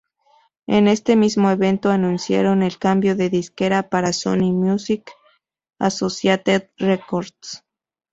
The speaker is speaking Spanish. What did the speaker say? En este mismo evento, anunciaron el cambio de disquera para Sony Music Associated Records.